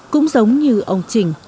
cũng giống như ông trình